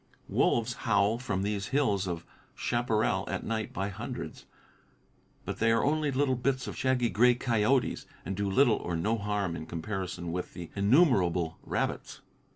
Wolves howl from these hills of chaparral at night by hundreds, but they are only little bits of shaggy, gray coyotes and do little or no harm in comparison with the innumerable rabbits.